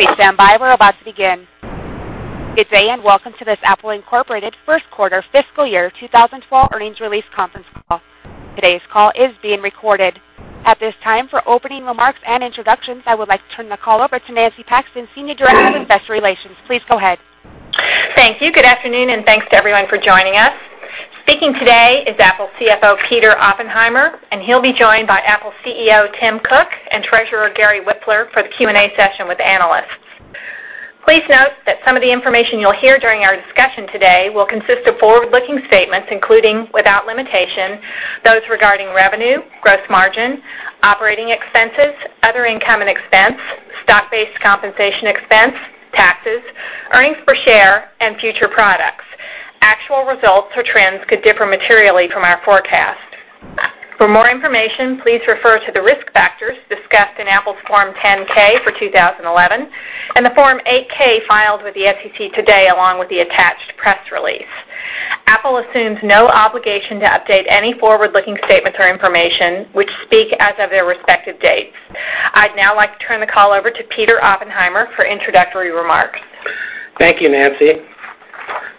Please stand by while I'm about to begin. Good day and welcome to this Apple Inc. First Quarter Fiscal Year 2012 earnings release conference call. Today's call is being recorded. At this time, for opening remarks and introductions, I would like to turn the call over to Nancy Paxton, Senior Director of Investor Relations. Please go ahead. Thank you. Good afternoon and thanks to everyone for joining us. Speaking today is Apple CFO Peter Oppenheimer, and he'll be joined by Apple CEO Tim Cook and Treasurer Gary Whipler for the Q&A session with analysts. Please note that some of the information you'll hear during our discussion today will consist of forward-looking statements, including without limitation, those regarding revenue, gross margin, operating expenses, other income and expense, stock-based compensation expense, taxes, earnings per share, and future products. Actual results or trends could differ materially from our forecast. For more information, please refer to the risk factors discussed in Apple's Form 10-K for 2011 and the Form 8-K filed with the SEC today, along with the attached press release. Apple assumes no obligation to update any forward-looking statements or information which speak as of their respective dates. I'd now like to turn the call over to Peter Oppenheimer for introductory remarks. Thank you, Nancy.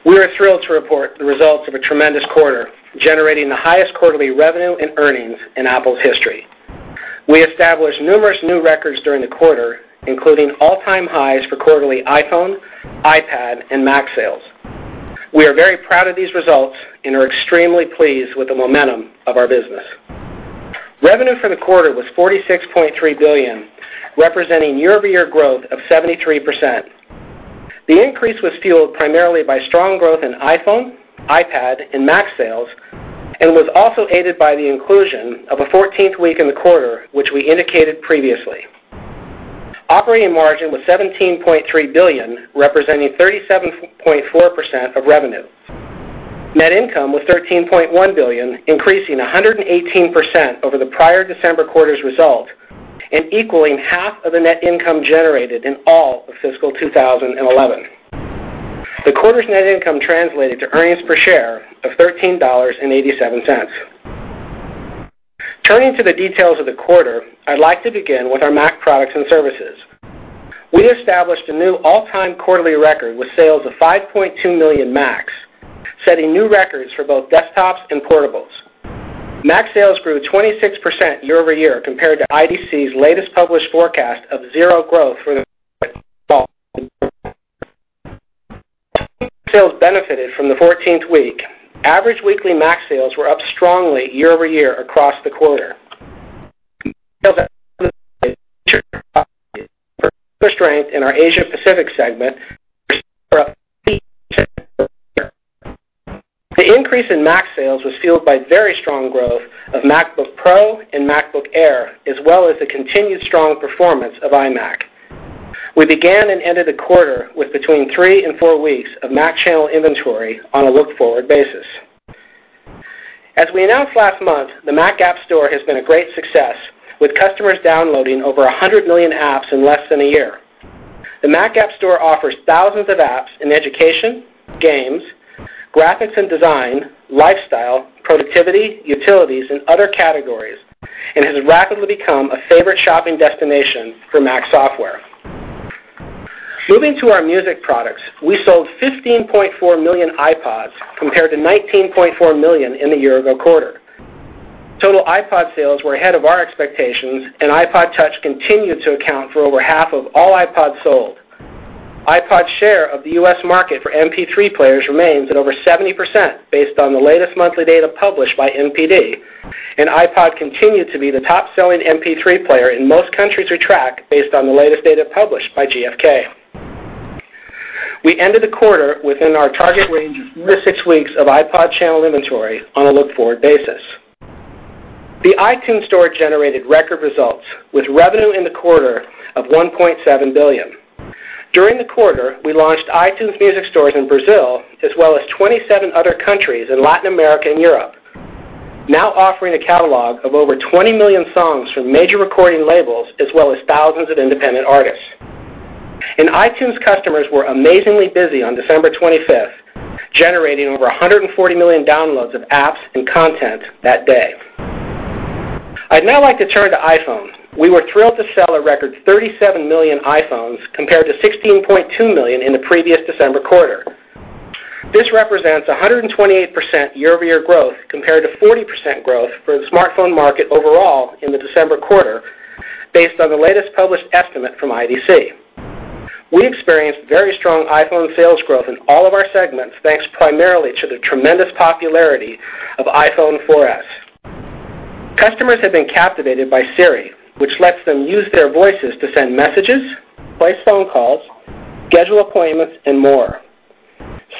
We are thrilled to report the results of a tremendous quarter, generating the highest quarterly revenue and earnings in Apple’s history. We established numerous new records during the quarter, including all-time highs for quarterly iPhone, iPad, and Mac sales. We are very proud of these results and are extremely pleased with the momentum of our business. Revenue for the quarter was $46.3 billion, representing year-over-year growth of 73%. The increase was fueled primarily by strong growth in iPhone, iPad, and Mac sales, and was also aided by the inclusion of a 14th week in the quarter, which we indicated previously. Operating margin was $17.3 billion, representing 37.4% of revenue. Net income was $13.1 billion, increasing 118% over the prior December quarter’s results and equaling half of the net income generated in all of fiscal 2011. The quarter’s net income translated to earnings per share of $13.87. Turning to the details of the quarter, I’d like to begin with our Mac products and services. We established a new all-time quarterly record with sales of 5.2 million Macs, setting new records for both desktops and portables. Mac sales grew 26% year-over-year compared to IDC’s latest published forecast of zero growth for the. Sales benefited from the 14th week. Average weekly Mac sales were up strongly year-over-year across the quarter. For strength in our Asia-Pacific segment, the increase in Mac sales was fueled by very strong growth of MacBook Pro and MacBook Air, as well as the continued strong performance of iMac. We began and ended the quarter with between three and four weeks of Mac channel inventory on a looked-forward basis. As we announced last month, the Mac App Store has been a great success, with customers downloading over 100 million apps in less than a year. The Mac App Store offers thousands of apps in education, games, graphics and design, lifestyle, productivity, utilities, and other categories, and has rapidly become a favorite shopping destination for Mac software. Moving to our music products, we sold 15.4 million iPods compared to 19.4 million in the year-ago quarter. Total iPod sales were ahead of our expectations, and iPod Touch continued to account for over half of all iPods sold. iPod’s share of the U.S. market for MP3 players remains at over 70% based on the latest monthly data published by NPD. iPod continued to be the top-selling MP3 player in most countries we tracked based on the latest data published by GFK. We ended the quarter within our target range of three to six weeks of iPod channel inventory on a look-forward basis. The iTunes Store generated record results with revenue in the quarter of $1.7 billion. During the quarter, we launched iTunes Music Stores in Brazil, as well as 27 other countries in Latin America and Europe, now offering a catalog of over 20 million songs from major recording labels, as well as thousands of independent artists. iTunes customers were amazingly busy on December 25th, generating over 140 million downloads of apps and content that day. I'd now like to turn to iPhone. We were thrilled to sell a record 37 million iPhones compared to 16.2 million in the previous December quarter. This represents 128% year-over-year growth compared to 40% growth for the smartphone market overall in the December quarter, based on the latest published estimate from IDC. We experienced very strong iPhone sales growth in all of our segments, thanks primarily to the tremendous popularity of iPhone 4S. Customers have been captivated by Siri, which lets them use their voices to send messages, place phone calls, schedule appointments, and more.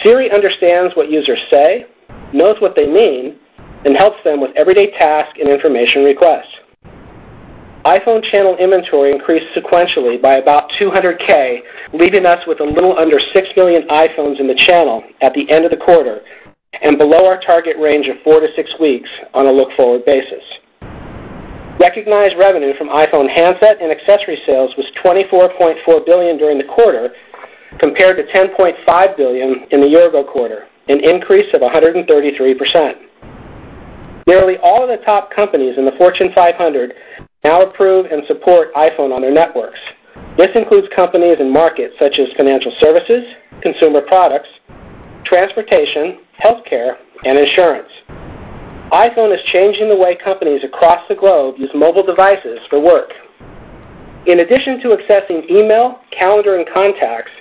Siri understands what users say, knows what they mean, and helps them with everyday tasks and information requests. iPhone channel inventory increased sequentially by about 200,000, leaving us with a little under 6 million iPhones in the channel at the end of the quarter and below our target range of four to six weeks on a look-forward basis. Recognized revenue from iPhone handset and accessories sales was $24.4 billion during the quarter, compared to $10.5 billion in the year-ago quarter, an increase of 133%. Nearly all of the top companies in the Fortune 500 now approve and support iPhone on their networks. This includes companies in markets such as financial services, consumer products, transportation, health care, and insurance. iPhone is changing the way companies across the globe use mobile devices for work. In addition to accessing email, calendar, and contacts,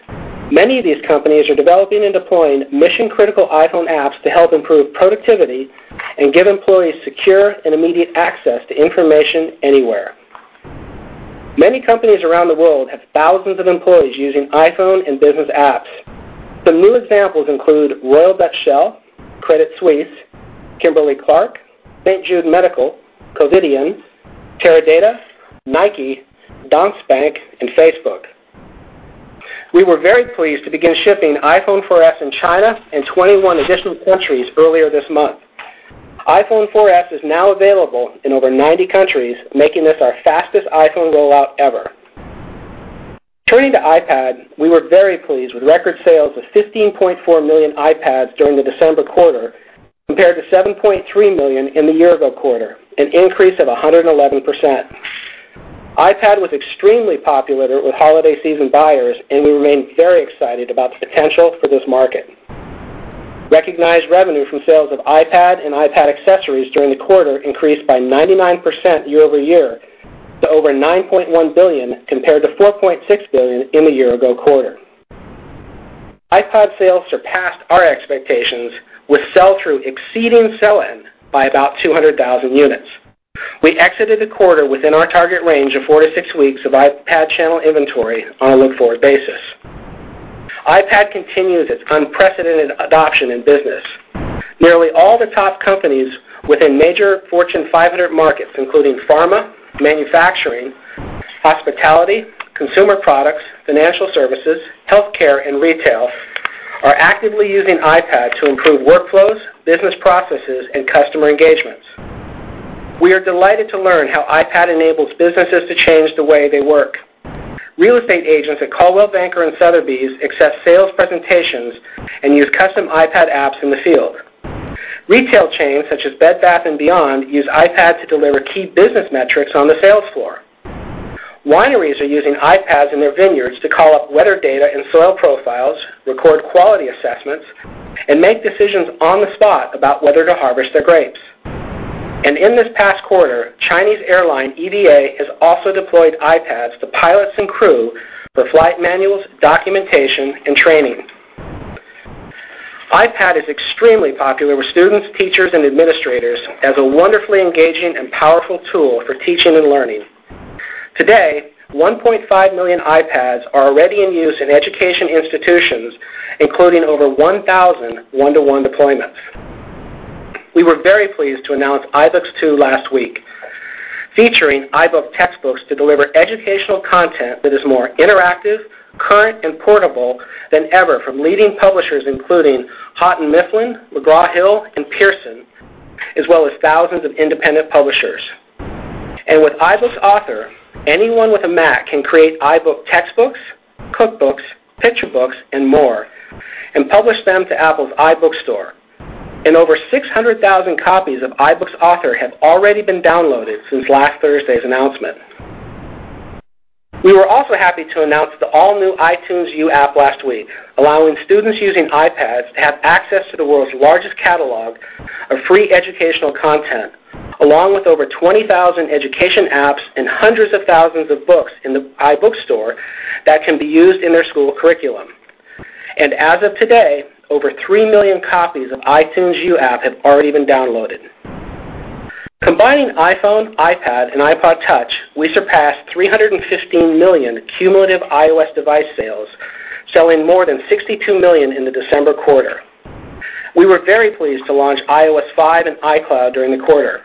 many of these companies are developing and deploying mission-critical iPhone apps to help improve productivity and give employees secure and immediate access to information anywhere. Many companies around the world have thousands of employees using iPhone and business apps. Some new examples include Royal Dutch Shell, Credit Suisse, Kimberly-Clark, St. Jude Medical, Covidien, Teradata, Nike, Danske Bank, and Facebook. We were very pleased to begin shipping iPhone 4S in China and 21 additional countries earlier this month. iPhone 4S is now available in over 90 countries, making this our fastest iPhone rollout ever. Turning to iPad, we were very pleased with record sales of 15.4 million iPads during the December quarter, compared to 7.3 million in the year-ago quarter, an increase of 111%. iPad was extremely popular with holiday season buyers, and we remain very excited about the potential for this market. Recognized revenue from sales of iPad and iPad accessories during the quarter increased by 99% year-over-year to over $9.1 billion, compared to $4.6 billion in the year-ago quarter. iPad sales surpassed our expectations, with sell-through exceeding sell-in by about 200,000 units. We exited the quarter within our target range of four to six weeks of iPad channel inventory on a look-forward basis. iPad continues its unprecedented adoption in business. Nearly all the top companies within major Fortune 500 markets, including pharma, manufacturing, hospitality, consumer products, financial services, health care, and retail, are actively using iPad to improve workflows, business processes, and customer engagements. We are delighted to learn how iPad enables businesses to change the way they work. Real estate agents at Coldwell Banker and Sotheby's accept sales presentations and use custom iPad apps in the field. Retail chains such as Bed Bath & Beyond use iPads to deliver key business metrics on the sales floor. Wineries are using iPads in their vineyards to call up weather data and soil profiles, record quality assessments, and make decisions on the spot about whether to harvest their grapes. In this past quarter, Chinese airline EDA has also deployed iPads to pilots and crew for flight manuals, documentation, and training. iPad is extremely popular with students, teachers, and administrators as a wonderfully engaging and powerful tool for teaching and learning. Today, 1.5 million iPads are already in use in education institutions, including over 1,000 one-to-one deployments. We were very pleased to announce iBooks 2 last week, featuring iBook textbooks to deliver educational content that is more interactive, current, and portable than ever from leading publishers including Houghton Mifflin, McGraw Hill, and Pearson, as well as thousands of independent publishers. With iBooks Author, anyone with a Mac can create iBook textbooks, cookbooks, picture books, and more, and publish them to Apple’s iBook Store. Over 600,000 copies of iBooks Author have already been downloaded since last Thursday's announcement. We were also happy to announce the all-new iTunes U app last week, allowing students using iPads to have access to the world's largest catalog of free educational content, along with over 20,000 education apps and hundreds of thousands of books in the iBook Store that can be used in their school curriculum. As of today, over 3 million copies of the iTunes U app have already been downloaded. Combining iPhone, iPad, and iPod Touch, we surpassed 315 million cumulative iOS device sales, selling more than 62 million in the December quarter. We were very pleased to launch iOS 5 and iCloud during the quarter.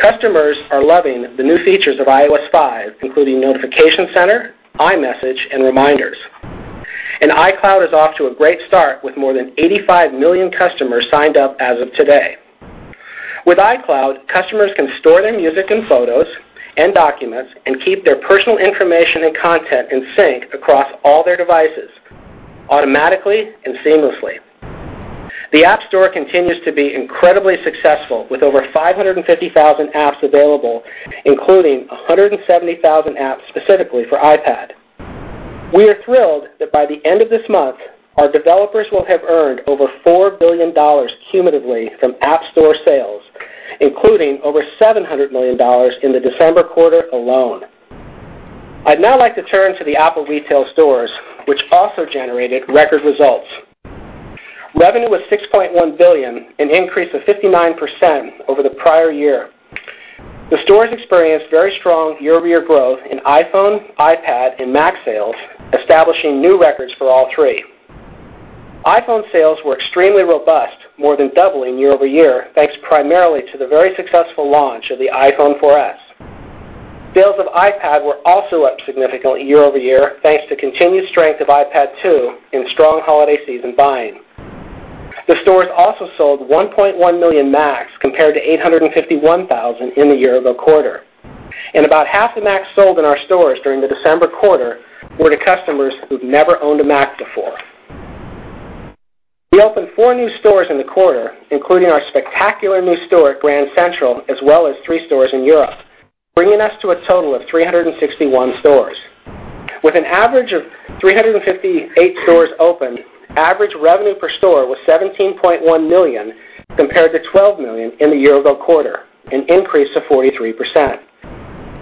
Customers are loving the new features of iOS 5, including Notification Center, iMessage, and Reminders. iCloud is off to a great start, with more than 85 million customers signed up as of today. With iCloud, customers can store their music and photos and documents and keep their personal information and content in sync across all their devices automatically and seamlessly. The App Store continues to be incredibly successful, with over 550,000 apps available, including 170,000 apps specifically for iPad. We are thrilled that by the end of this month, our developers will have earned over $4 billion cumulatively from App Store sales, including over $700 million in the December quarter alone. I'd now like to turn to the Apple retail stores, which also generated record results. Revenue was $6.1 billion, an increase of 59% over the prior year. The stores experienced very strong year-over-year growth in iPhone, iPad, and Mac sales, establishing new records for all three. iPhone sales were extremely robust, more than doubling year-over-year, thanks primarily to the very successful launch of the iPhone 4S. Sales of iPad were also up significantly year-over-year, thanks to continued strength of iPad 2 and strong holiday season buying. The stores also sold 1.1 million Macs, compared to 851,000 in the year-ago quarter. About half the Macs sold in our stores during the December quarter were to customers who've never owned a Mac before. We opened four new stores in the quarter, including our spectacular new store at Grand Central, as well as three stores in Europe, bringing us to a total of 361 stores. With an average of 358 stores open, average revenue per store was $17.1 million, compared to $12 million in the year-ago quarter, an increase of 43%.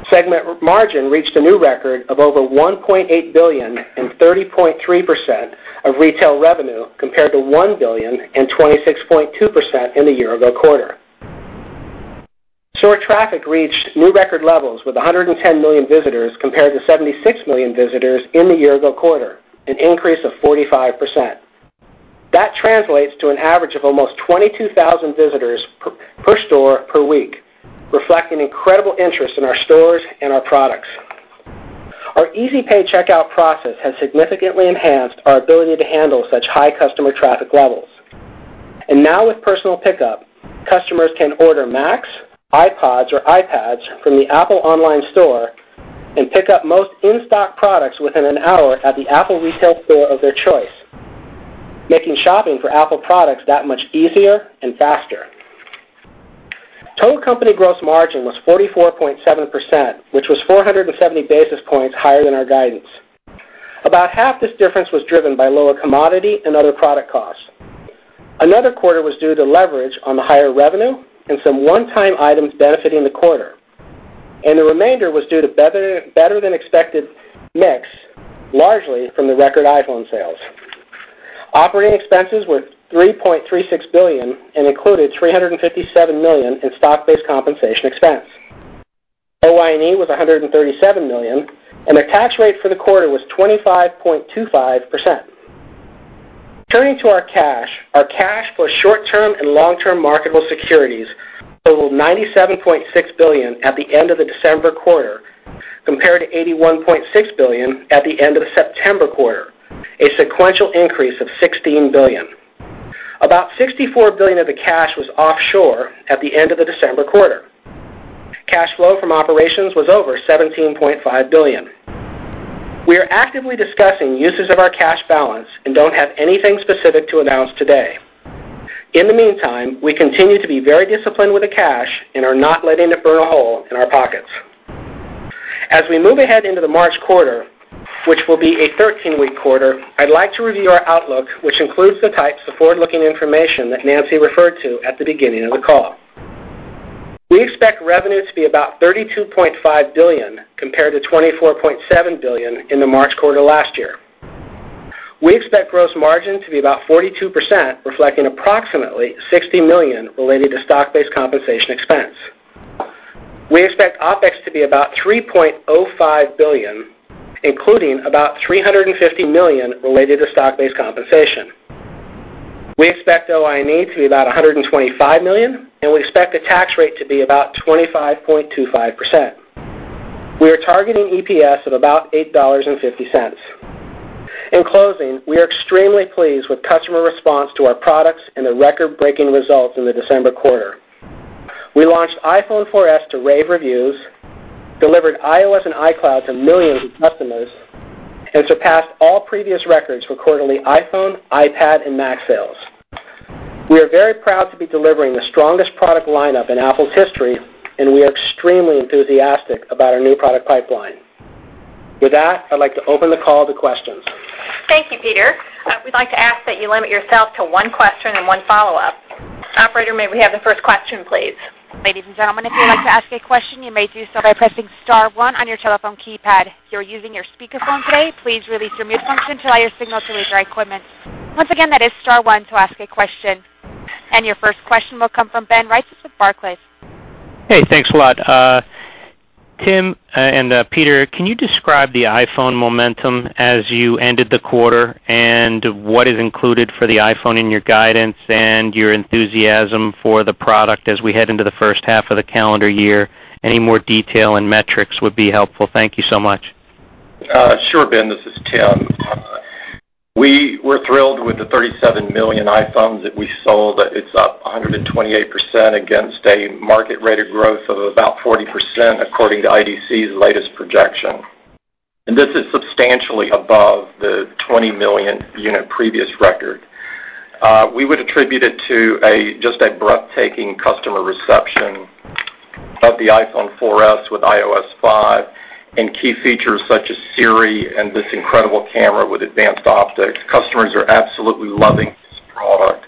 Segment margin reached a new record of over $1.8 billion and 30.3% of retail revenue, compared to $1 billion and 26.2% in the year-ago quarter. Store traffic reached new record levels with 110 million visitors, compared to 76 million visitors in the year-ago quarter, an increase of 45%. That translates to an average of almost 22,000 visitors per store per week, reflecting incredible interest in our stores and our products. Our easy pay checkout process has significantly enhanced our ability to handle such high customer traffic levels. Now, with personal pickup, customers can order Macs, iPods, or iPads from the Apple Online Store and pick up most in-stock products within an hour at the Apple retail store of their choice, making shopping for Apple products that much easier and faster. Total company gross margin was 44.7%, which was 470 basis points higher than our guidance. About half this difference was driven by lower commodity and other product costs. Another quarter was due to leverage on the higher revenue and some one-time items benefiting the quarter. The remainder was due to better-than-expected mix, largely from the record iPhone sales. Operating expenses were $3.36 billion and included $357 million in stock-based compensation expense. OI&E was $137 million, and the tax rate for the quarter was 25.25%. Turning to our cash, our cash plus short-term and long-term marketable securities totaled $97.6 billion at the end of the December quarter, compared to $81.6 billion at the end of the September quarter, a sequential increase of $16 billion. About $64 billion of the cash was offshore at the end of the December quarter. Cash flow from operations was over $17.5 billion. We are actively discussing uses of our cash balance and don't have anything specific to announce today. In the meantime, we continue to be very disciplined with the cash and are not letting it burn a hole in our pockets. As we move ahead into the March quarter, which will be a 13-week quarter, I'd like to review our outlook, which includes the types of forward-looking information that Nancy referred to at the beginning of the call. We expect revenue to be about $32.5 billion, compared to $24.7 billion in the March quarter last year. We expect gross margin to be about 42%, reflecting approximately $60 million related to stock-based compensation expense. We expect OpEx to be about $3.05 billion, including about $350 million related to stock-based compensation. We expect OI&E to be about $125 million, and we expect the tax rate to be about 25.25%. We are targeting EPS of about $8.50. In closing, we are extremely pleased with customer response to our products and the record-breaking results in the December quarter. We launched iPhone 4S to rave reviews, delivered iOS and iCloud to millions of customers, and surpassed all previous records for quarterly iPhone, iPad, and Mac sales. We are very proud to be delivering the strongest product lineup in Apple’s history, and we are extremely enthusiastic about our new product pipeline. With that, I'd like to open the call to questions. Thank you, Peter. We'd like to ask that you limit yourself to one question and one follow-up. Operator, may we have the first question, please? Ladies and gentlemen, if you'd like to ask a question, you may do so by pressing star one on your telephone keypad. If you're using your speakerphone today, please release your mute function to allow your signal to reach our equipment. Once again, that is star one to ask a question. Your first question will come from Ben Reitzes with Barclays. Hey, thanks a lot. Tim and Peter, can you describe the iPhone momentum as you ended the quarter, and what is included for the iPhone in your guidance and your enthusiasm for the product as we head into the first half of the calendar year? Any more detail and metrics would be helpful. Thank you so much. Sure, Ben. This is Tim. We were thrilled with the 37 million iPhones that we sold. It's up 128% against a market-rated growth of about 40%, according to IDC's latest projection. This is substantially above the 20 million unit previous record. We would attribute it to just that breathtaking customer reception of the iPhone 4S with iOS 5 and key features such as Siri and this incredible camera with advanced optics. Customers are absolutely loving this product.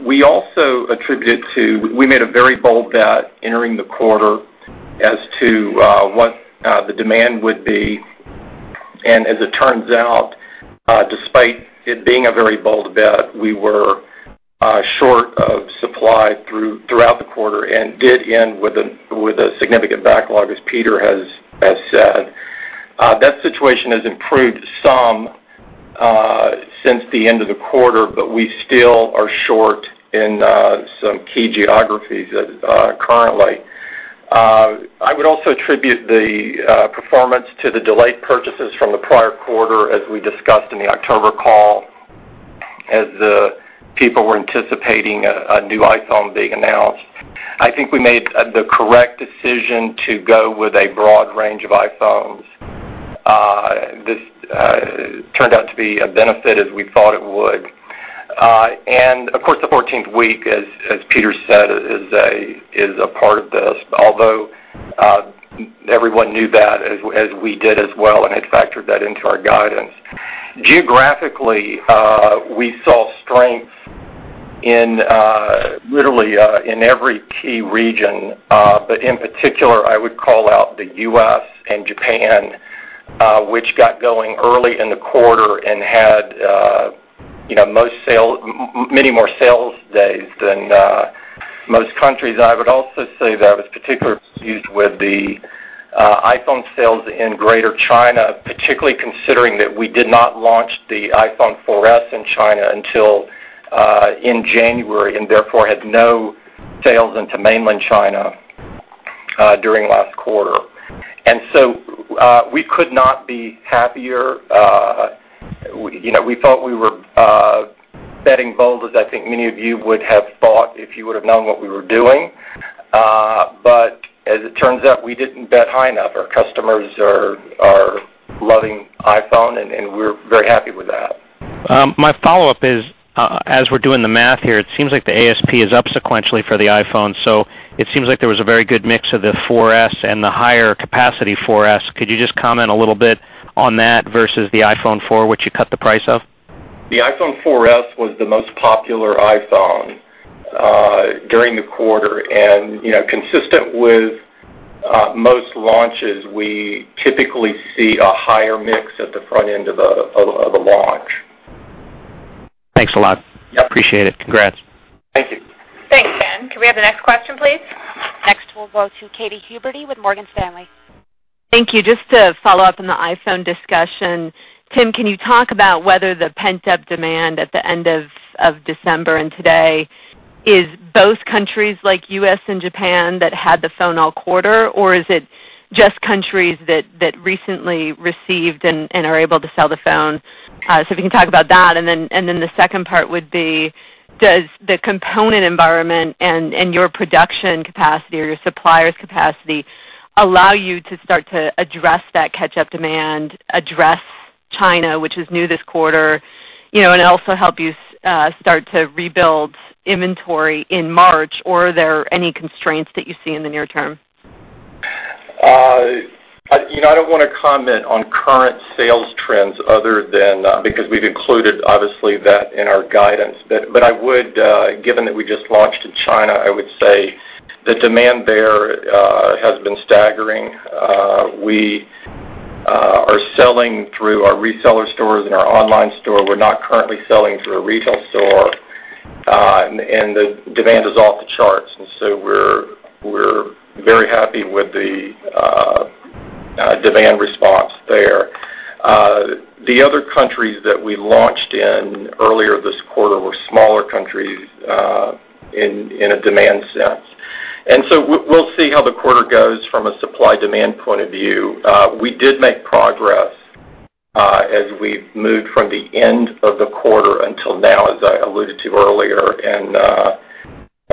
We also attribute it to we made a very bold bet entering the quarter as to what the demand would be. As it turns out, despite it being a very bold bet, we were short of supply throughout the quarter and did end with a significant backlog, as Peter has said. That situation has improved some since the end of the quarter, but we still are short in some key geographies currently. I would also attribute the performance to the delayed purchases from the prior quarter, as we discussed in the October call, as the people were anticipating a new iPhone being announced. I think we made the correct decision to go with a broad range of iPhones. This turned out to be a benefit, as we thought it would. The 14th week, as Peter said, is a part of this, although everyone knew that, as we did as well, and I factored that into our guidance. Geographically, we saw strength in literally every key region, but in particular, I would call out the U.S. and Japan, which got going early in the quarter and had many more sales days than most countries. I would also say that was particularly with the iPhone sales in Greater China, particularly considering that we did not launch the iPhone 4S in China until in January and therefore had no sales into mainland China during last quarter. We could not be happier. We thought we were betting bold, as I think many of you would have thought if you would have known what we were doing. As it turns out, we didn't bet high enough. Our customers are loving iPhone, and we're very happy with that. My follow-up is, as we're doing the math here, it seems like the ASP is up sequentially for the iPhone. It seems like there was a very good mix of the iPhone 4S and the higher capacity iPhone 4S. Could you just comment a little bit on that versus the iPhone 4, which you cut the price of? The iPhone 4S was the most popular iPhone during the quarter. Consistent with most launches, we typically see a higher mix at the front end of the logs. Thanks a lot. Yep. Appreciate it. Congrats. Thank you. Thank you, Ben. Can we have the next question, please? Next, we'll go to Katy Huberty with Morgan Stanley. Thank you. Just to follow up on the iPhone discussion, Tim, can you talk about whether the pent-up demand at the end of December and today is both countries like the U.S. and Japan that had the phone all quarter, or is it just countries that recently received and are able to sell the phone? If you can talk about that. The second part would be, does the component environment and your production capacity or your suppliers' capacity allow you to start to address that catch-up demand, address China, which was new this quarter, and also help you start to rebuild inventory in March, or are there any constraints that you see in the near term? I don't want to comment on current sales trends other than because we've included, obviously, that in our guidance. Given that we just launched in China, I would say that demand there has been staggering. We are selling through our reseller stores and our online store. We're not currently selling through a retail store. The demand is off the charts, and we're very happy with the demand response there. The other countries that we launched in earlier this quarter were smaller countries in a demand sense. We'll see how the quarter goes from a supply-demand point of view. We did make progress as we moved from the end of the quarter until now, as I alluded to earlier, and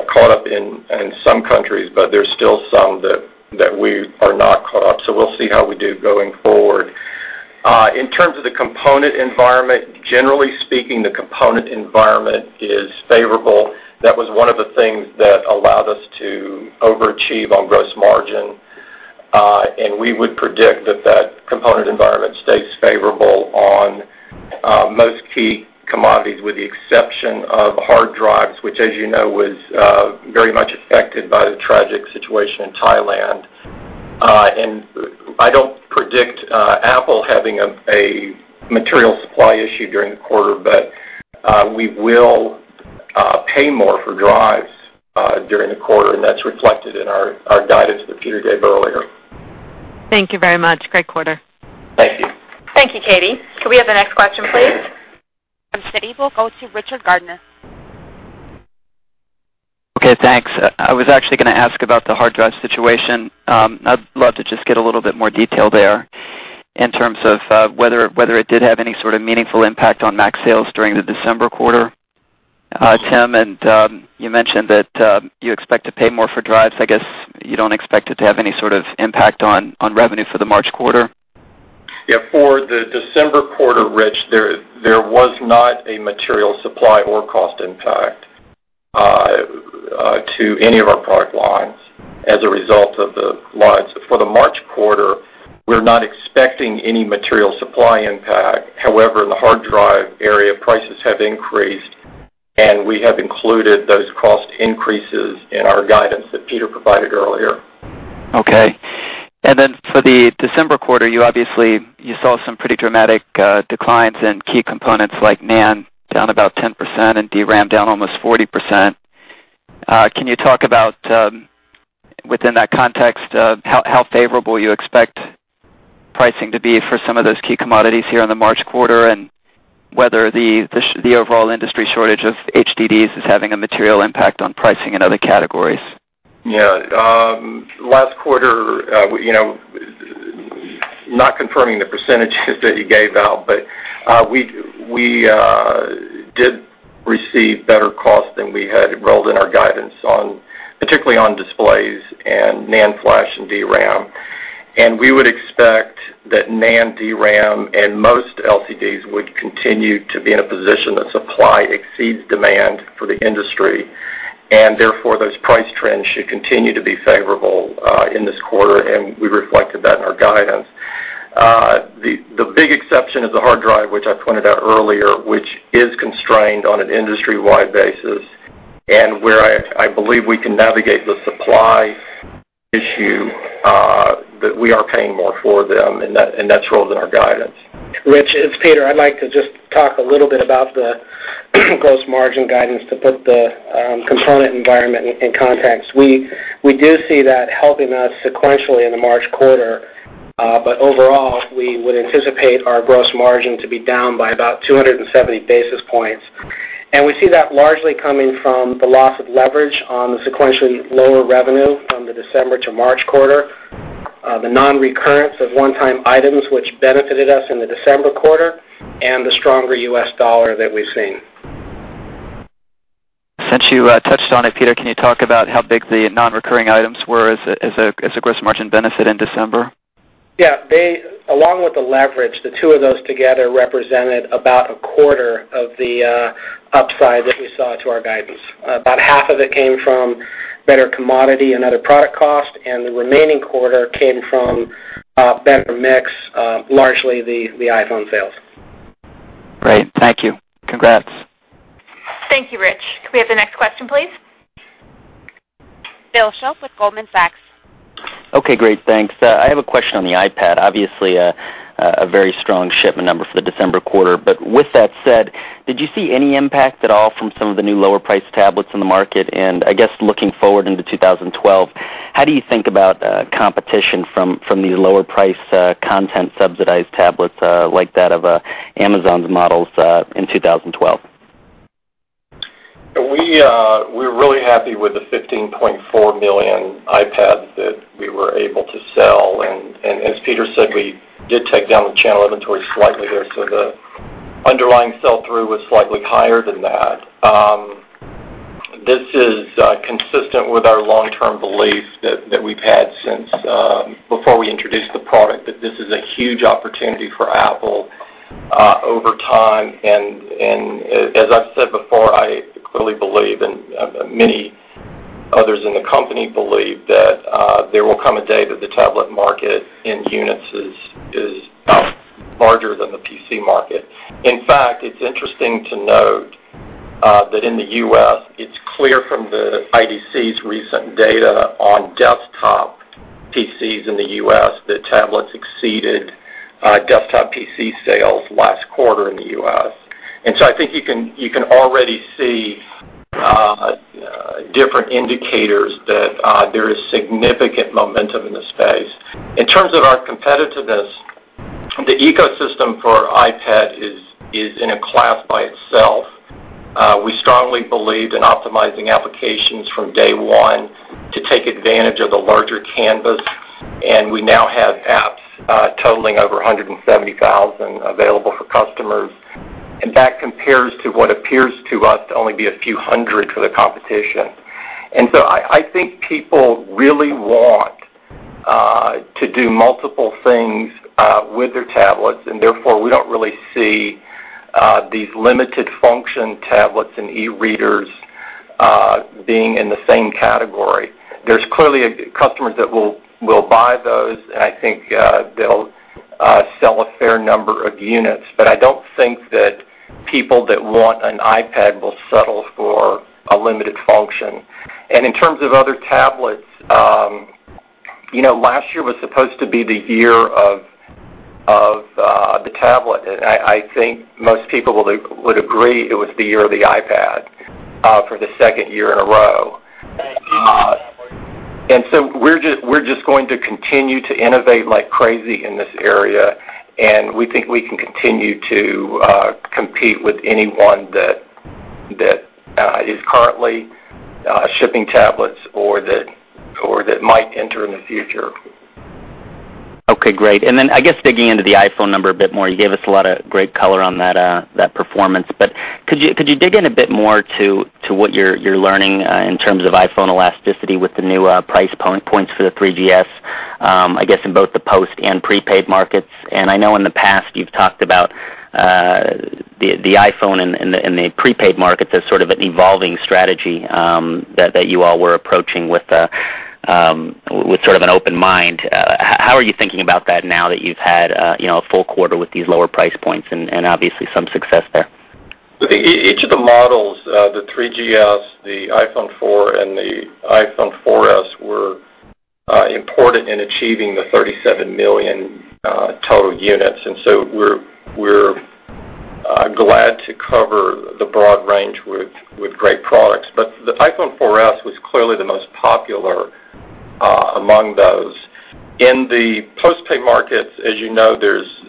caught up in some countries, but there are still some that we are not caught up. We'll see how we do going forward. In terms of the component environment, generally speaking, the component environment is favorable. That was one of the things that allowed us to overachieve on gross margin. We would predict that the component environment stays favorable on most key commodities, with the exception of hard drives, which, as you know, was very much affected by the tragic situation in Thailand. I don't predict Apple having a material supply issue during the quarter, but we will pay more for drives during the quarter, and that's reflected in our guidance that Peter gave earlier. Thank you very much, great quarter. Thank you. Thank you, Katy. Can we have the next question, please? From Citi, we'll go to Richard Gardner. Okay, thanks. I was actually going to ask about the hard drive situation. I'd love to just get a little bit more detail there in terms of whether it did have any sort of meaningful impact on Mac sales during the December quarter. Tim, you mentioned that you expect to pay more for drives. I guess you don't expect it to have any sort of impact on revenue for the March quarter? Yeah, for the December quarter, Rich, there was not a material supply or cost impact to any of our product lines as a result of the lines. For the March quarter, we're not expecting any material supply impact. However, in the hard drive area, prices have increased, and we have included those cost increases in our guidance that Peter provided earlier. Okay. For the December quarter, you obviously saw some pretty dramatic declines in key components like NAND down about 10% and DRAM down almost 40%. Can you talk about, within that context, how favorable you expect pricing to be for some of those key commodities here in the March quarter and whether the overall industry shortage of HDDs is having a material impact on pricing in other categories? Last quarter, you know, not confirming the percentage that you gave, but we did receive better costs than we had enrolled in our guidance, particularly on displays and NAND flash and DRAM. We would expect that NAND, DRAM, and most LCDs would continue to be in a position that supply exceeds demand for the industry. Therefore, those price trends should continue to be favorable in this quarter, and we reflected that in our guidance. The big exception is the hard drive, which I pointed out earlier, which is constrained on an industry-wide basis and where I believe we can navigate the supply issue, that we are paying more for them, and that's ruled in our guidance. Rich, it's Peter. I'd like to just talk a little bit about the gross margin guidance to put the component environment in context. We do see that healthy amounts sequentially in the March quarter, but overall, we would anticipate our gross margin to be down by about 270 basis points. We see that largely coming from the loss of leverage on the sequentially lower revenue from the December to March quarter, the non-recurrence of one-time items, which benefited us in the December quarter, and the stronger U.S. dollar that we've seen. Since you touched on it, Peter, can you talk about how big the non-recurring items were as a gross margin benefit in December? Yeah. They, along with the leverage, the two of those together represented about a quarter of the upside that we saw to our guidance. About half of it came from better commodity and other product costs, and the remaining quarter came from better mix, largely the iPhone sales. Great. Thank you. Congrats. Thank you, Rich. Can we have the next question, please? Bill Shope with Goldman Sachs. Okay, great. Thanks. I have a question on the iPad. Obviously, a very strong shipment number for the December quarter. With that said, did you see any impact at all from some of the new lower-priced tablets in the market? I guess looking forward into 2012, how do you think about competition from these lower-priced content-subsidized tablets like that of Amazon's models in 2012? We're really happy with the 15.4 million iPads that we were able to sell. As Peter said, we did take down the channel inventory slightly there, so the underlying sell-through was slightly higher than that. This is consistent with our long-term belief that we've had since before we introduced the product, that this is a huge opportunity for Apple over time. As I've said before, I clearly believe and many others in the company believe that there will come a day that the tablet market in units is about larger than the PC market. In fact, it's interesting to note that in the U.S., it's clear from IDC's recent data on desktop PCs in the U.S. that tablets exceeded desktop PC sales last quarter in the U.S. I think you can already see different indicators that there is significant momentum in the space. In terms of our competitiveness, the ecosystem for iPad is in a class by itself. We strongly believed in optimizing applications from day one to take advantage of the larger canvas, and we now have apps totaling over 170,000 available for customers. That compares to what appears to us to only be a few hundred for the competition. I think people really want to do multiple things with their tablets, and therefore, we don't really see these limited-function tablets and e-readers being in the same category. There are clearly customers that will buy those, and I think they'll sell a fair number of units. I don't think that people that want an iPad will settle for a limited function. In terms of other tablets, last year was supposed to be the year of the tablet. I think most people would agree it was the year of the iPad for the second year in a row. We're just going to continue to innovate like crazy in this area, and we think we can continue to compete with anyone that is currently shipping tablets or that might enter in the future. Okay, great. I guess digging into the iPhone number a bit more, you gave us a lot of great color on that performance. Could you dig in a bit more to what you're learning in terms of iPhone elasticity with the new price points for the 3GS, I guess, in both the post and prepaid markets? I know in the past you've talked about the iPhone in the prepaid markets as sort of an evolving strategy that you all were approaching with sort of an open mind. How are you thinking about that now that you've had a full quarter with these lower price points and obviously some success there? Each of the models, the 3GS, the iPhone 4, and the iPhone 4S were important in achieving the 37 million total units. We're glad to cover the broad range with great products. The iPhone 4S was clearly the most popular among those. In the postpaid markets, as you know, there's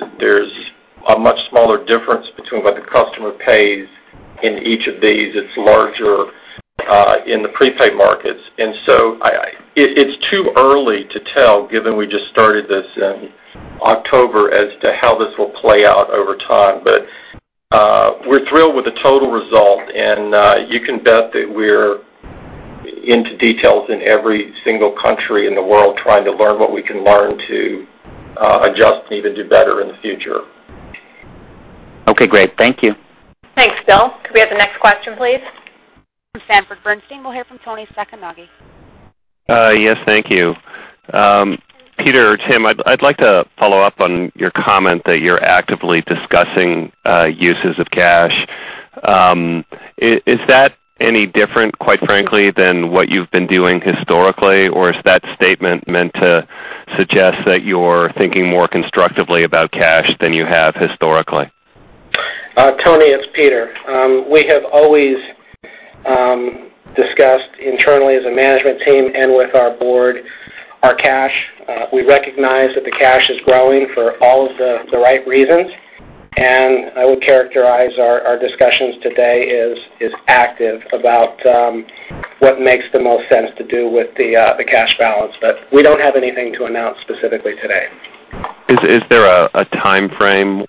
a much smaller difference between what the customer pays in each of these. It's larger in the prepaid markets. It's too early to tell, given we just started this in October, as to how this will play out over time. We're thrilled with the total result, and you can bet that we're into details in every single country in the world trying to learn what we can learn to adjust and even do better in the future. Okay, great. Thank you. Thanks, Bill. Can we have the next question, please? From Sanford Bernstein, we'll hear from Toni Sacconaghi. Yes, thank you. Peter or Tim, I'd like to follow up on your comment that you're actively discussing uses of cash. Is that any different, quite frankly, than what you've been doing historically, or is that statement meant to suggest that you're thinking more constructively about cash than you have historically? Toni, it's Peter. We have always discussed internally with the management team and with our board our cash. We recognize that the cash is growing for all of the right reasons. I would characterize our discussions today as active about what makes the most sense to do with the cash balance. We don't have anything to announce specifically today. Is there a timeframe,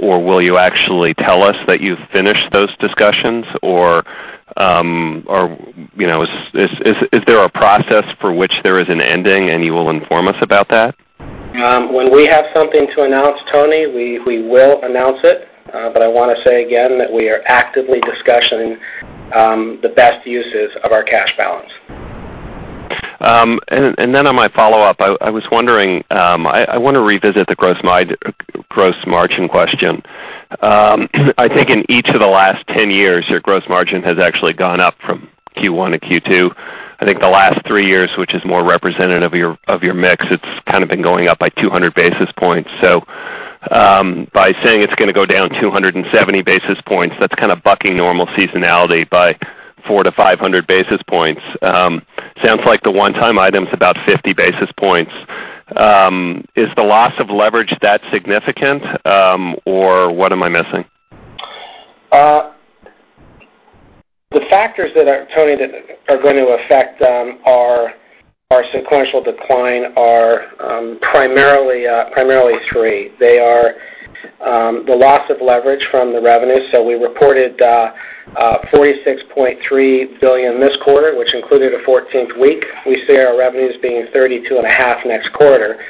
or will you actually tell us that you've finished those discussions, or is there a process for which there is an ending, and you will inform us about that? When we have something to announce, Toni, we will announce it. I want to say again that we are actively discussing the best uses of our cash balance. On my follow-up, I was wondering, I want to revisit the gross margin question. I think in each of the last 10 years, your gross margin has actually gone up from Q1 to Q2. I think the last three years, which is more representative of your mix, it's kind of been going up by 200 basis points. By saying it's going to go down 270 basis points, that's kind of bucking normal seasonality by 400 to 500 basis points. It sounds like the one-time item's about 50 basis points. Is the loss of leverage that significant, or what am I missing? The factors that are going to affect our sequential decline are primarily three. They are the loss of leverage from the revenue. We reported $46.3 billion this quarter, which included a 14th week. We see our revenues being $32.5 billion next quarter.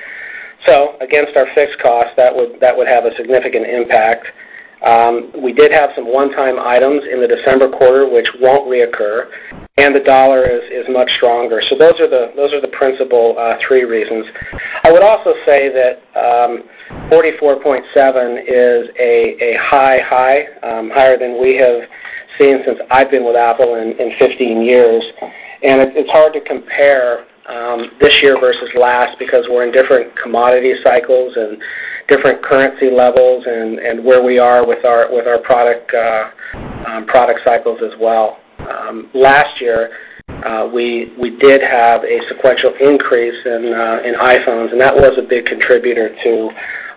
Against our fixed costs, that would have a significant impact. We did have some one-time items in the December quarter, which won't reoccur, and the dollar is much stronger. Those are the principal three reasons. I would also say that $44.7 billion is a high high, higher than we have seen since I've been with Apple in 15 years. It's hard to compare this year versus last because we're in different commodity cycles and different currency levels and where we are with our product cycles as well. Last year, we did have a sequential increase in iPhones, and that was a big contributor to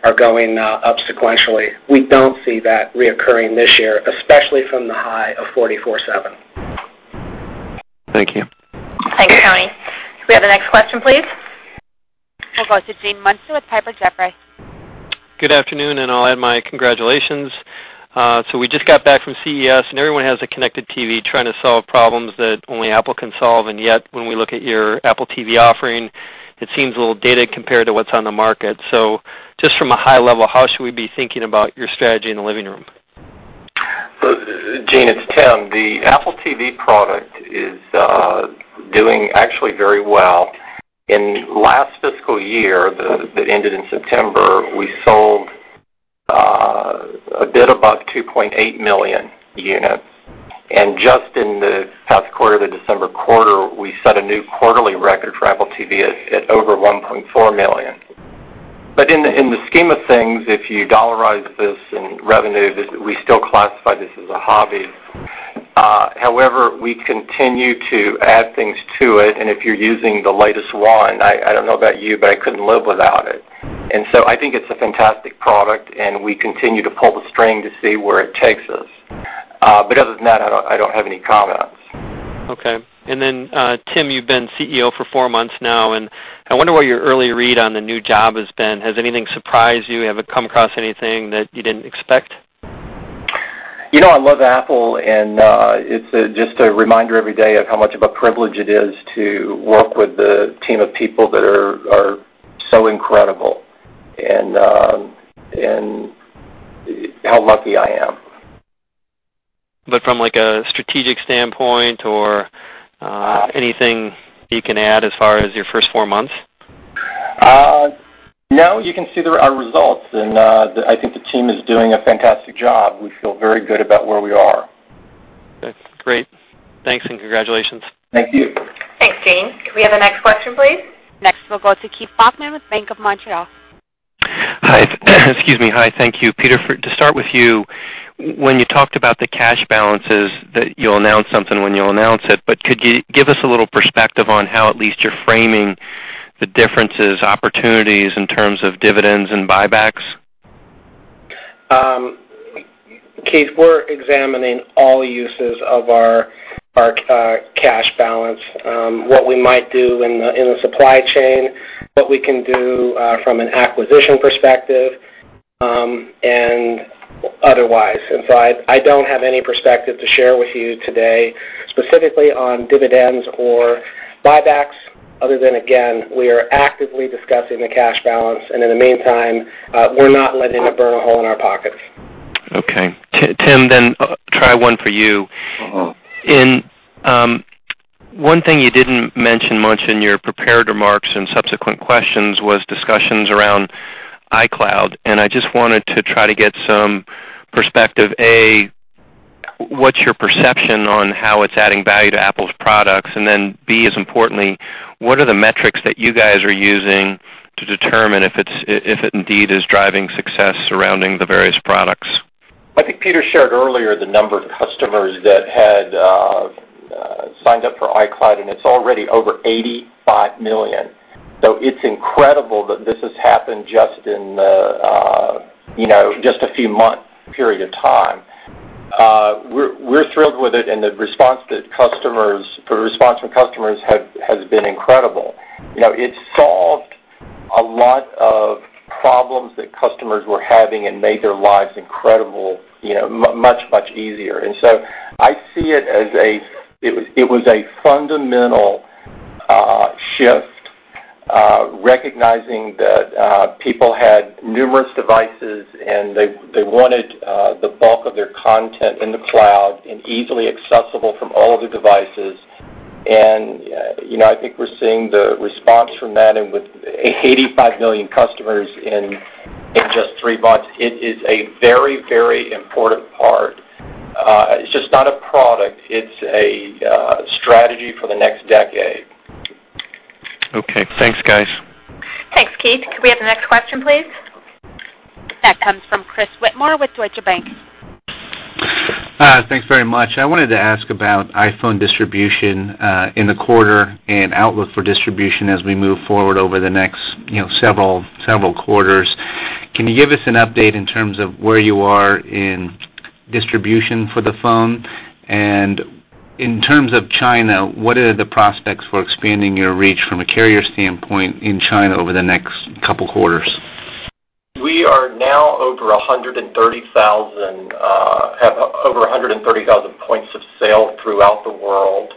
our going up sequentially. We don't see that reoccurring this year, especially from the high of $44.7 billion. Thank you. Thanks, Toni. Can we have the next question, please? We'll go to Gene Munster with Piper Jaffray. Good afternoon, and I'll add my congratulations. We just got back from CES, and everyone has a connected TV trying to solve problems that only Apple can solve. Yet, when we look at your Apple TV offering, it seems a little dated compared to what's on the market. Just from a high level, how should we be thinking about your strategy in the living room? Gene, it's Tim. The Apple TV product is doing actually very well. In the last fiscal year that ended in September, we sold a bit about 2.8 million units. In the past quarter, the December quarter, we set a new quarterly record for Apple TV at over 1.4 million. In the scheme of things, if you dollarize this in revenue, we still classify this as a hobby. However, we continue to add things to it. If you're using the latest one, I don't know about you, but I couldn't live without it. I think it's a fantastic product, and we continue to pull the string to see where it takes us. Other than that, I don't have any comments. Okay. Tim, you've been CEO for four months now, and I wonder what your early read on the new job has been. Has anything surprised you? Have you come across anything that you didn't expect? You know, I love Apple, and it's just a reminder every day of how much of a privilege it is to work with the team of people that are so incredible and how lucky I am. From a strategic standpoint or anything you can add as far as your first four months? No, you can see our results, and I think the team is doing a fantastic job. We feel very good about where we are. Okay, great. Thanks and congratulations. Thank you. Thanks, Gene. Can we have the next question, please? Next, we'll go to Keith Bachman with Bank of Montreal. Hi. Excuse me. Hi. Thank you, Peter. To start with you, when you talked about the cash balances, that you'll announce something when you'll announce it, could you give us a little perspective on how at least you're framing the differences, opportunities in terms of dividends and buybacks? Keith, we're examining all the uses of our cash balance, what we might do in the supply chain, what we can do from an acquisition perspective, and otherwise. I don't have any perspective to share with you today specifically on dividends or buybacks, other than, again, we are actively discussing the cash balance. In the meantime, we're not letting it burn a hole in our pockets. Okay. Tim, let me try one for you. One thing you didn't mention much in your prepared remarks and subsequent questions was discussions around iCloud. I just wanted to try to get some perspective. A, what's your perception on how it's adding value to Apple’s products? B, as importantly, what are the metrics that you guys are using to determine if it indeed is driving success surrounding the various products? I think Peter shared earlier the number of customers that had signed up for iCloud, and it's already over 85 million. It's incredible that this has happened just in a few months' period of time. We're thrilled with it, and the response from customers has been incredible. It solved a lot of problems that customers were having and made their lives much, much easier. I see it as a fundamental shift, recognizing that people had numerous devices, and they wanted the bulk of their content in the cloud and easily accessible from all of the devices. I think we're seeing the response from that. With 85 million customers in just three months, it is a very, very important part. It's just not a product. It's a strategy for the next decade. Okay, thanks, guys. Thanks, Keith. Can we have the next question, please? That comes from Chris Whitmore with Deutsche Bank. Hi, thanks very much. I wanted to ask about iPhone distribution in the quarter and outlook for distribution as we move forward over the next several quarters. Can you give us an update in terms of where you are in distribution for the phone? In terms of China, what are the prospects for expanding your reach from a carrier standpoint in China over the next couple of quarters? We are now over 130,000, have over 130,000 points of sale throughout the world.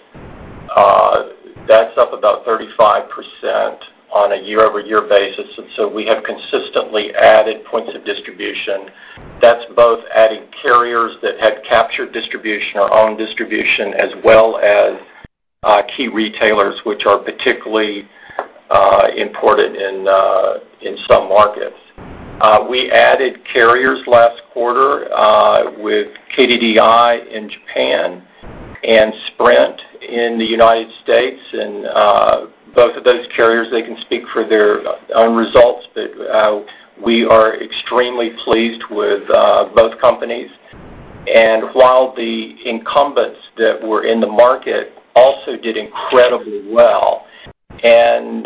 That's up about 35% on a year-over-year basis. We have consistently added points of distribution. That's both adding carriers that have captured distribution or own distribution, as well as key retailers, which are particularly important in some markets. We added carriers last quarter with KDDI in Japan and Sprint in the United States. Both of those carriers, they can speak for their own results, but we are extremely pleased with both companies. While the incumbents that were in the market also did incredibly well. In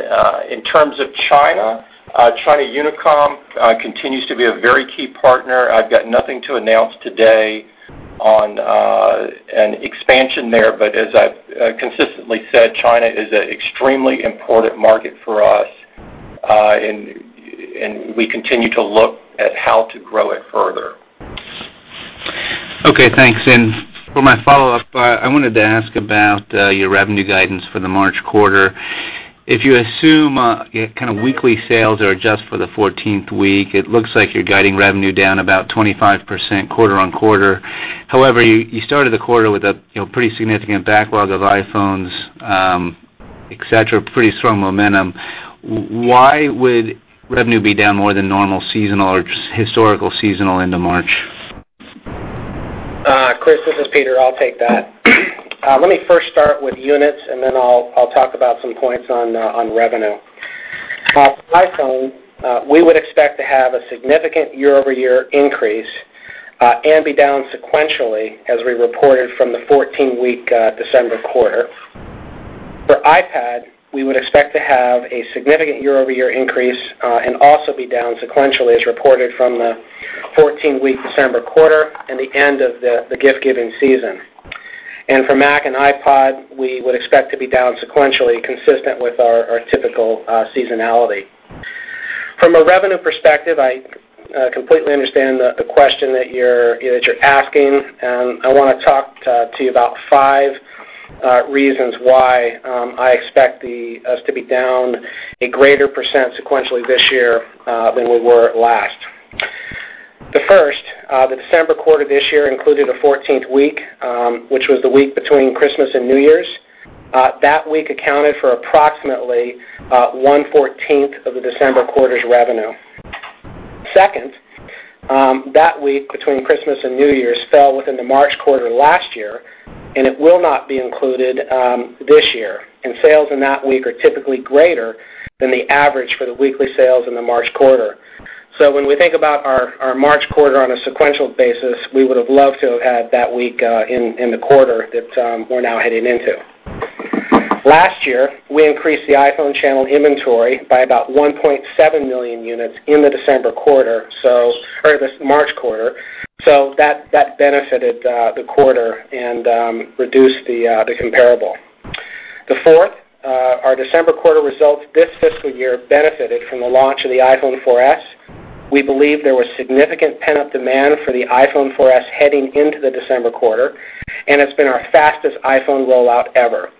terms of China, China Unicom continues to be a very key partner. I've got nothing to announce today on an expansion there. As I've consistently said, China is an extremely important market for us, and we continue to look at how to grow it further. Okay, thanks. For my follow-up, I wanted to ask about your revenue guidance for the March quarter. If you assume kind of weekly sales are just for the 14th week, it looks like you're guiding revenue down about 25% quarter on quarter. However, you started the quarter with a pretty significant backlog of iPhones, etc., pretty strong momentum. Why would revenue be down more than normal seasonal or just historical seasonal end of March? Great for the Peter. I'll take that. Let me first start with units, and then I'll talk about some points on revenue. iPhone, we would expect to have a significant year-over-year increase and be down sequentially, as we reported from the 14-week December quarter. For iPad, we would expect to have a significant year-over-year increase and also be down sequentially, as reported from the 14-week December quarter and the end of the gift-giving season. For Mac and iPod, we would expect to be down sequentially, consistent with our typical seasonality. From a revenue perspective, I completely understand the question that you're asking. I want to talk to you about five reasons why I expect us to be down a greater percent sequentially this year than we were last. The first, the December quarter this year included a 14th week, which was the week between Christmas and New Year's. That week accounted for approximately 1/14 of the December quarter's revenue. Second, that week between Christmas and New Year's fell within the March quarter last year, and it will not be included this year. Sales in that week are typically greater than the average for the weekly sales in the March quarter. When we think about our March quarter on a sequential basis, we would have loved to have had that week in the quarter that we're now heading into. Last year, we increased the iPhone channel inventory by about 1.7 million units in the December quarter, or the March quarter. That benefited the quarter and reduced the comparable. The fourth, our December quarter results this fiscal year benefited from the launch of the iPhone 4S. We believe there was significant pent-up demand for the iPhone 4S heading into the December quarter, and it's been our fastest iPhone rollout ever.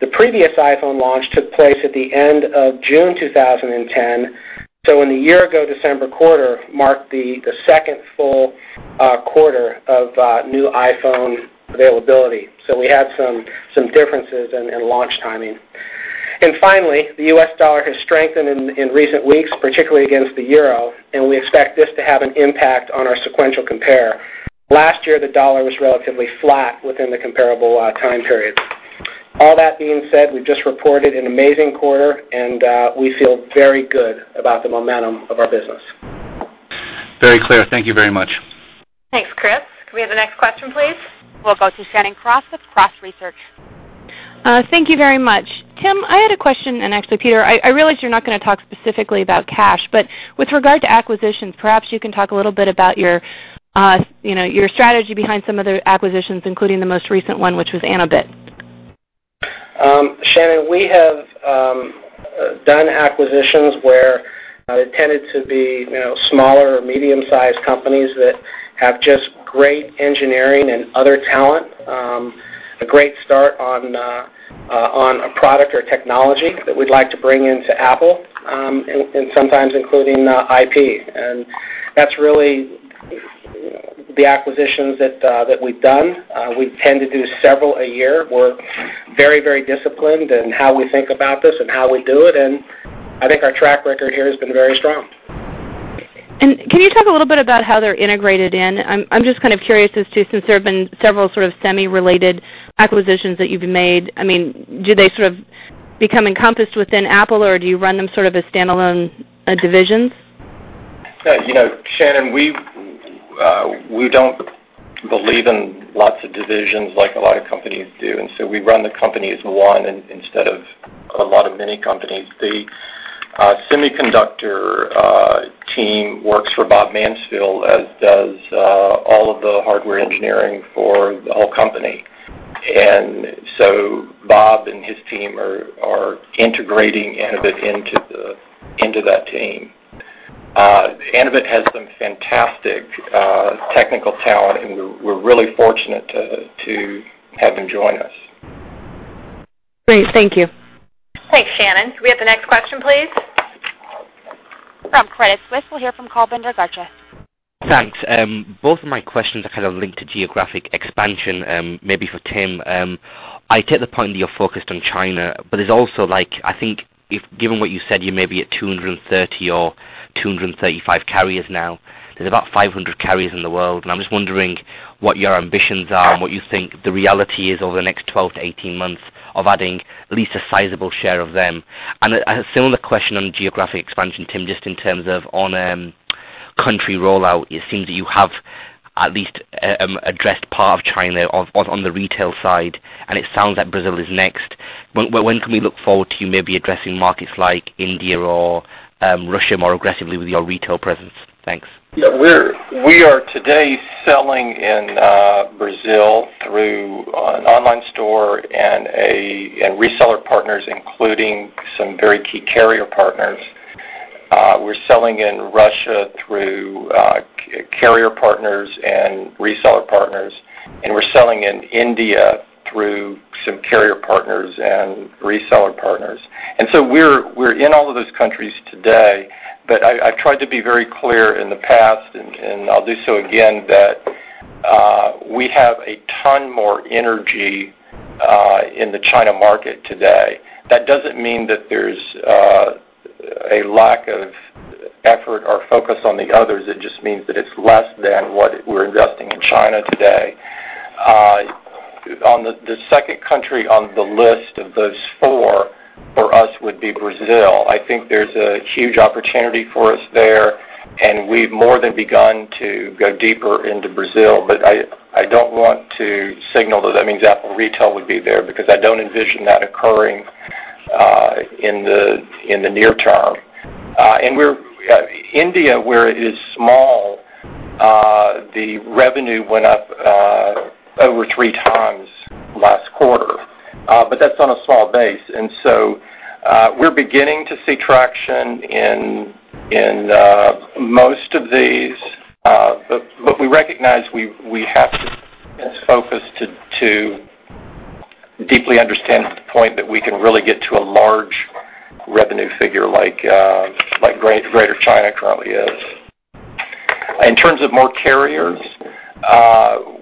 The previous iPhone launch took place at the end of June 2010. In the year-ago December quarter, marked the second full quarter of new iPhone availability. We had some differences in launch timing. Finally, the U.S. dollar has strengthened in recent weeks, particularly against the euro, and we expect this to have an impact on our sequential compare. Last year, the dollar was relatively flat within the comparable time period. All that being said, we've just reported an amazing quarter, and we feel very good about the momentum of our business. Very clear. Thank you very much. Thanks, Chris. Can we have the next question, please? We'll go to Shannon Cross with Cross Research. Thank you very much. Tim, I had a question, and actually, Peter, I realize you're not going to talk specifically about cash, but with regard to acquisitions, perhaps you can talk a little bit about your strategy behind some of the acquisitions, including the most recent one, which was Anobit. Shannon, we have done acquisitions where they tended to be smaller or medium-sized companies that have just great engineering and other talent, a great start on a product or technology that we'd like to bring into Apple, and sometimes including IP. That's really the acquisitions that we've done. We tend to do several a year. We're very, very disciplined in how we think about this and how we do it. I think our track record here has been very strong. Can you talk a little bit about how they're integrated in? I'm just kind of curious as to since there have been several sort of semi-related acquisitions that you've made. Do they sort of become encompassed within Apple Inc., or do you run them as standalone divisions? You know, Shannon, we don't believe in lots of divisions like a lot of companies do. We run the company as one instead of a lot of mini-companies. The semiconductor team works for Bob Mansfield, as does all of the hardware engineering for the whole company. Bob and his team are integrating Anobit into that team. Anobit has some fantastic technical talent, and we're really fortunate to have them join us. Great. Thank you. Thanks, Shannon. Can we have the next question, please? From Credit Suisse, we'll hear from Kulbinder Garcha. Thanks. Both of my questions are kind of linked to geographic expansion. Maybe for Tim, I take the point that you're focused on China, but it's also like I think if given what you said, you may be at 230 or 235 carriers now. There's about 500 carriers in the world. I'm just wondering what your ambitions are and what you think the reality is over the next 12 to 18 months of adding at least a sizable share of them. A similar question on geographic expansion, Tim, just in terms of on a country rollout. It seems that you have at least addressed part of China on the retail side, and it sounds like Brazil is next. When can we look forward to you maybe addressing markets like India or Russia more aggressively with your retail presence? Thanks. We are today selling in Brazil through an online store and reseller partners, including some very key carrier partners. We're selling in Russia through carrier partners and reseller partners, and we're selling in India through some carrier partners and reseller partners. We're in all of those countries today. I've tried to be very clear in the past, and I'll do so again, that we have a ton more energy in the China market today. That doesn't mean that there's a lack of effort or focus on the others. It just means that it's less than what we're investing in China today. The second country on the list of those four for us would be Brazil. I think there's a huge opportunity for us there, and we've more than begun to go deeper into Brazil. I don't want to signal that that means Apple retail would be there because I don't envision that occurring in the near term. In India, where it is small, the revenue went up over three times last quarter, but that's on a small base. We're beginning to see traction in most of these, but we recognize we have to focus to deeply understand the point that we can really get to a large revenue figure like Greater China currently is. In terms of more carriers,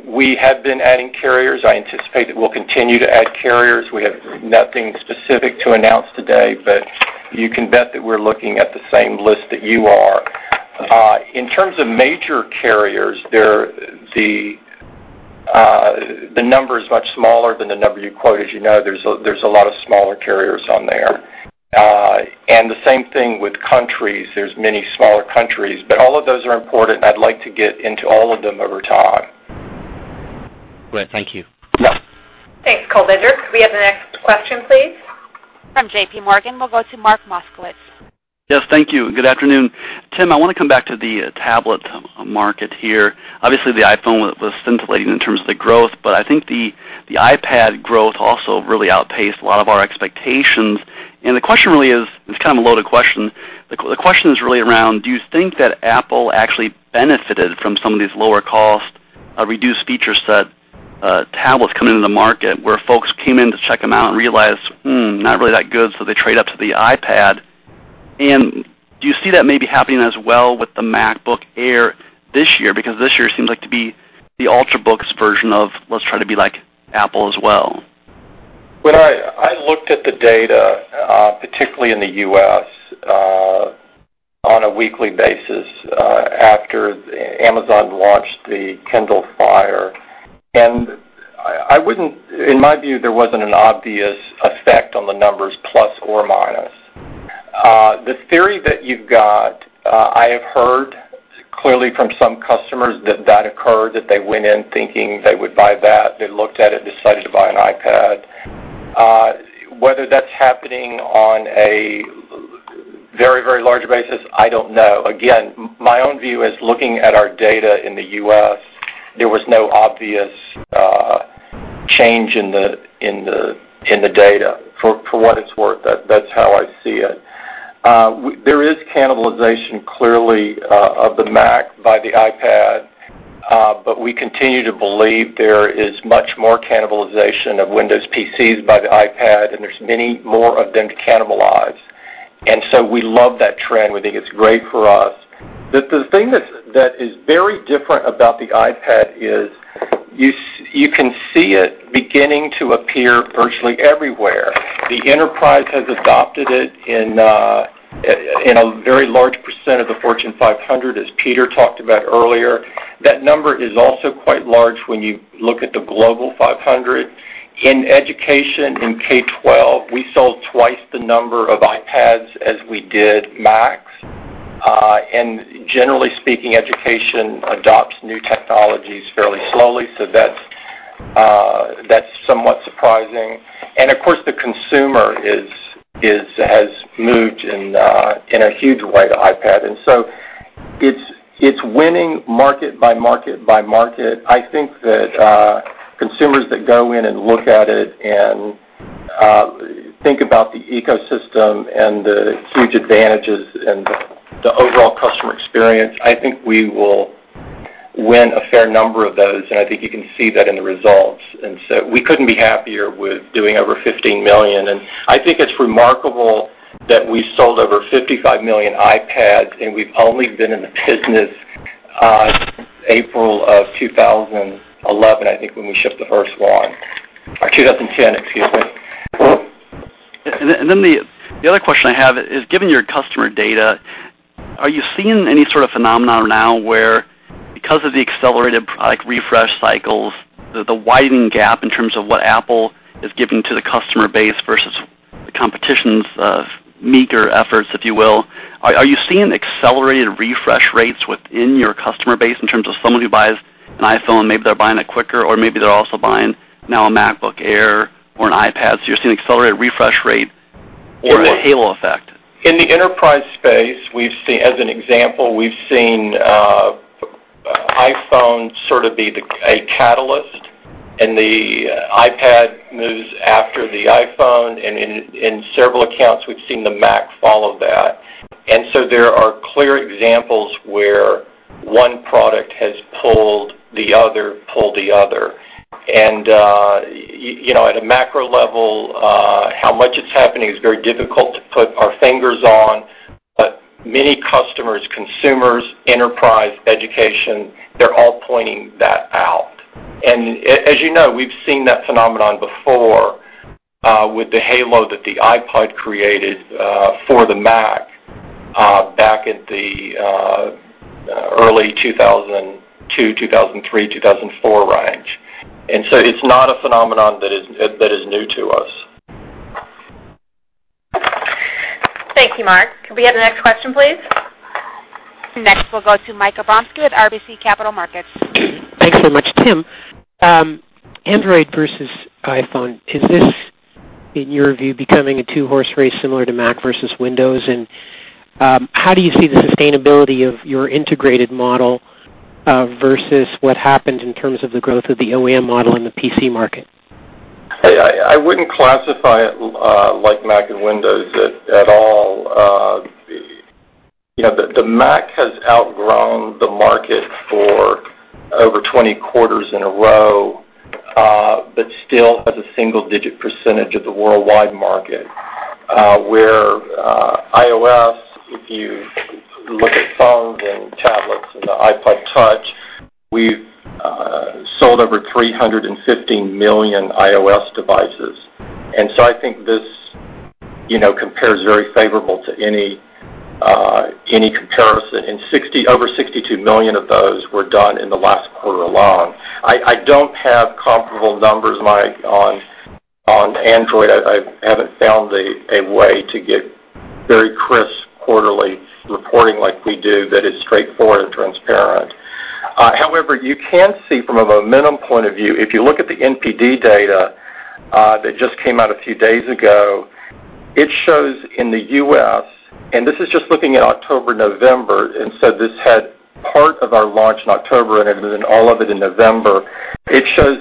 we have been adding carriers. I anticipate that we'll continue to add carriers. We have nothing specific to announce today, but you can bet that we're looking at the same list that you are. In terms of major carriers, the number is much smaller than the number you quoted. As you know, there's a lot of smaller carriers on there. The same thing with countries. There are many smaller countries, but all of those are important. I'd like to get into all of them over time. Great. Thank you. Yeah. Thanks, Kulbinder. Can we have the next question, please? From JPMorgan, we'll go to Mark Moskowitz. Yes, thank you. Good afternoon. Tim, I want to come back to the tablet market here. Obviously, the iPhone was scintillating in terms of the growth, but I think the iPad growth also really outpaced a lot of our expectations. The question really is, it's kind of a loaded question. The question is really around, do you think that Apple actually benefited from some of these lower cost, reduced feature set tablets coming into the market where folks came in to check them out and realized, "Not really that good," so they trade up to the iPad? Do you see that maybe happening as well with the MacBook Air this year? This year seems like to be the UltraBooks version of, "Let's try to be like Apple as well. When I looked at the data, particularly in the U.S. on a weekly basis after Amazon launched the Kindle Fire, in my view, there wasn't an obvious effect on the numbers plus or minus. The theory that you've got, I have heard clearly from some customers that that occurred, that they went in thinking they would buy that. They looked at it, decided to buy an iPad. Whether that's happening on a very, very large basis, I don't know. Again, my own view is looking at our data in the U.S., there was no obvious change in the data. For what it's worth, that's how I see it. There is cannibalization clearly of the Mac by the iPad, but we continue to believe there is much more cannibalization of Windows PCs by the iPad, and there's many more of them to cannibalize. We love that trend. We think it's great for us. The thing that is very different about the iPad is you can see it beginning to appear virtually everywhere. The enterprise has adopted it in a very large percent of the Fortune 500, as Peter talked about earlier. That number is also quite large when you look at the Global 500. In education, in K-12, we sold twice the number of iPads as we did Macs. Generally speaking, education adopts new technologies fairly slowly, so that's somewhat surprising. Of course, the consumer has moved in a huge way to iPad. It's winning market by market by market. I think that consumers that go in and look at it and think about the ecosystem and the huge advantages and the overall customer experience, I think we will win a fair number of those. I think you can see that in the results. We couldn't be happier with doing over 15 million. I think it's remarkable that we sold over 55 million iPads, and we've only been in the business since April of 2011, I think, when we shipped the first one, or 2010, excuse me. The other question I have is, given your customer data, are you seeing any sort of phenomenon now where because of the accelerated refresh cycles, the widening gap in terms of what Apple is giving to the customer base versus the competition's meager efforts, if you will, are you seeing accelerated refresh rates within your customer base in terms of someone who buys an iPhone, maybe they're buying it quicker, or maybe they're also buying now a MacBook Air or an iPad? Are you seeing an accelerated refresh rate or the halo effect? In the enterprise space, as an example, we've seen iPhone sort of be a catalyst, and the iPad moves after the iPhone. In several accounts, we've seen the Mac follow that. There are clear examples where one product has pulled the other, pulled the other. You know, at a macro level, how much it's happening is very difficult to put our fingers on. Many customers, consumers, enterprise, education, they're all pointing that out. As you know, we've seen that phenomenon before with the halo that the iPod created for the Mac back in the early 2002, 2003, 2004 range. It's not a phenomenon that is new to us. Thank you, Mark. Can we have the next question, please? Next, we'll go to Michael Ng at RBC Capital Markets. Thanks so much, Tim. Android versus iPhone, is this, in your view, becoming a two-horse race similar to Mac versus Windows? How do you see the sustainability of your integrated model versus what happened in terms of the growth of the OEM model in the PC market? I wouldn't classify it like Mac and Windows at all. You know, the Mac has outgrown the market for over 20 quarters in a row, but still has a single-digit percentage of the worldwide market. Where iOS, if you look at phones and tablets and the iPod Touch, we've sold over 315 million iOS devices. I think this compares very favorably to any comparison. Over 62 million of those were done in the last quarter alone. I don't have comparable numbers, Mike, on Android. I haven't found a way to get very crisp quarterly reporting like we do that is straightforward and transparent. However, you can see from a momentum point of view, if you look at the NPD data that just came out a few days ago, it shows in the U.S., and this is just looking at October and November, and this had part of our launch in October, and it was in all of it in November. It shows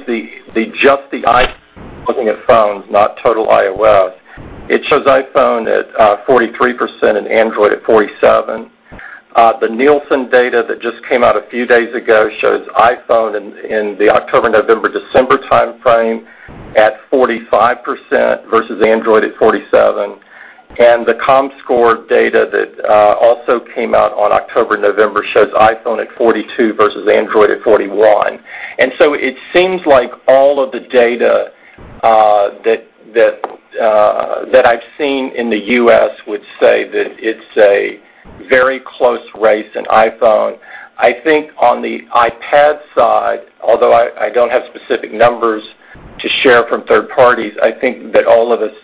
just the iPhone looking at phones, not total iOS. It shows iPhone at 43% and Android at 47%. The Nielsen data that just came out a few days ago shows iPhone in the October, November, December timeframe at 45% versus Android at 47%. The ComScore data that also came out on October, November shows iPhone at 42% versus Android at 41%. It seems like all of the data that I've seen in the U.S. would say that it's a very close race in iPhone. I think on the iPad side, although I don't have specific numbers to share from third parties, I think that all of us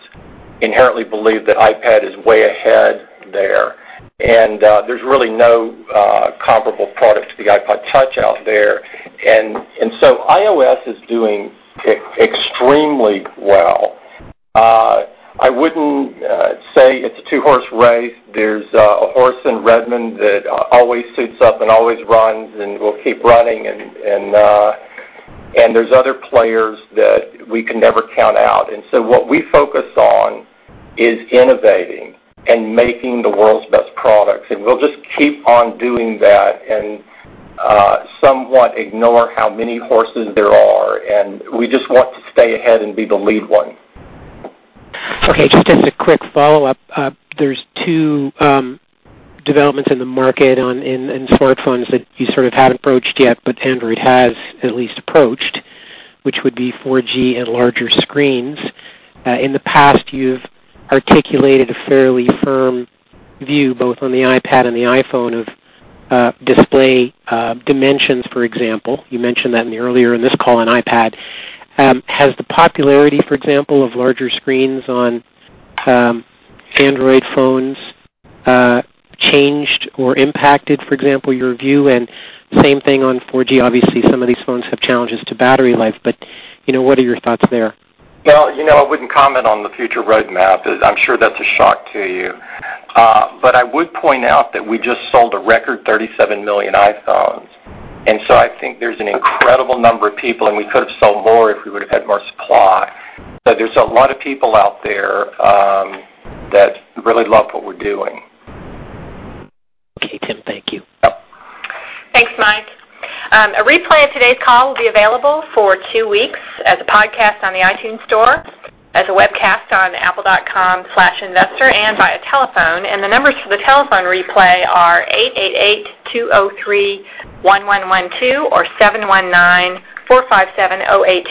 inherently believe that iPad is way ahead there. There's really no comparable product to the iPod Touch out there. iOS is doing extremely well. I wouldn't say it's a two-horse race. There's a horse in Redmond that always suits up and always runs and will keep running. There are other players that we can never count out. What we focus on is innovating and making the world's best products. We'll just keep on doing that and somewhat ignore how many horses there are. We just want to stay ahead and be the lead one. Okay, just as a quick follow-up, there are two developments in the market in smartphones that you sort of haven't approached yet, but Android has at least approached, which would be 4G and larger screens. In the past, you've articulated a fairly firm view both on the iPad and the iPhone of display dimensions, for example. You mentioned that earlier in this call on iPad. Has the popularity, for example, of larger screens on Android phones changed or impacted, for example, your view? The same thing on 4G. Obviously, some of these phones have challenges to battery life. What are your thoughts there? I wouldn't comment on the future roadmap. I'm sure that's a shock to you. I would point out that we just sold a record 37 million iPhones. I think there's an incredible number of people, and we could have sold more if we would have had more supply. There's a lot of people out there that really love what we're doing. Okay, Tim, thank you. Thanks, Mike. A replay of today's call will be available for two weeks as a podcast on the iTunes Store, as a webcast on apple.com/investor, and via telephone. The numbers for the telephone replay are 888-203-1112 or 719-457-0808.